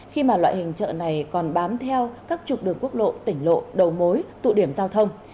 khi mà loại hình chợ này còn bám theo các trục đường quốc lộ tỉnh lộ đầu mối tụ điểm giao thông